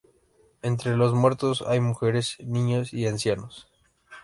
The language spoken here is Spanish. Entre los muertos hay mujeres, niños y ancianos.